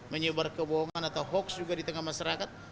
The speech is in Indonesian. menyebar kebohongan atau hoax juga di tengah masyarakat